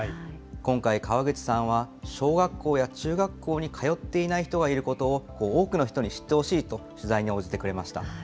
今回、川口さんは小学校や中学校に通ってない人がいることを多くの人に知ってほしいと、取材に応じてくれました。